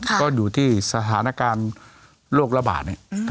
ค่ะก็อยู่ที่สถานการณ์โลกระบาดเนี้ยอืม